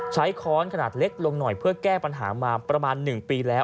ค้อนขนาดเล็กลงหน่อยเพื่อแก้ปัญหามาประมาณ๑ปีแล้ว